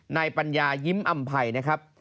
ปัญญายิ้มอำภัยนะครับ